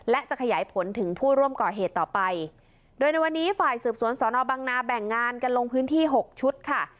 และจะขยายผลถึงผู้ร่วมก่อเหตุต่อไปโดยในวันนี้ฝ่ายสืบสวนสอนอบังนาแบ่งงานกันลงพื้นที่หกชุดค่ะ